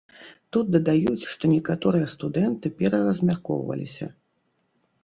Тут дадаюць, што некаторыя студэнты пераразмяркоўваліся.